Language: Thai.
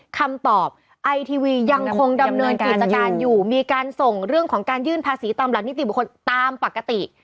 คำตอบไอทีวียังคงดำเนินกิจการอยู่มีการส่งเรื่องของการยื่นภาษีตามหลักนิติบุคคลตามปกติ